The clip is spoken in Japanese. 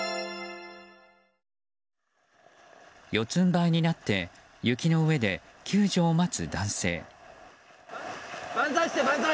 四つんばいになって雪の上で救助を待つ男性。